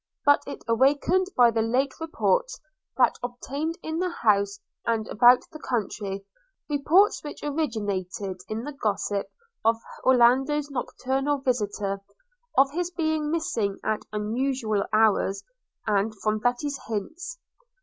But it awakened by the late reports that obtained in the house and about the country; reports which originated in the gossip of Orlando's nocturnal visitor; of his being missing at unusual hours, and from Betty's hints.